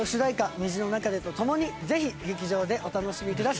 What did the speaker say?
『虹の中で』と共にぜひ劇場でお楽しみください！